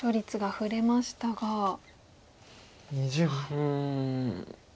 うん。